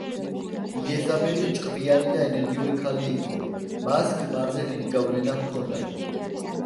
იეზაბელი ჭკვიანი და ენერგიული ქალი იყო, მას ქმარზე დიდი გავლენა ჰქონდა.